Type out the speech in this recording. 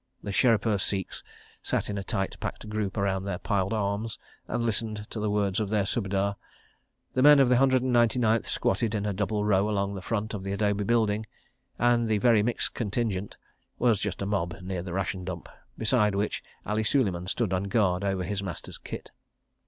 The Sherepur Sikhs sat in a tight packed group around their piled arms and listened to the words of their Subedar, the men of the Hundred and Ninety Ninth squatted in a double row along the front of the adobe building, and the Very Mixed Contingent was just a mob near the ration dump, beside which Ali Suleiman stood on guard over his master's kit.